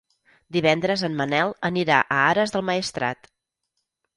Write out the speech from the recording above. Divendres en Manel anirà a Ares del Maestrat.